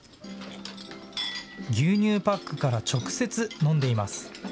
牛乳パックから直接、飲んでいます。